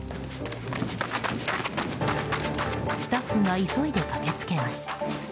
スタッフが急いで駆け付けます。